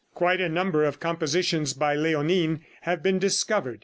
Quite a number of compositions by Léonin have been discovered.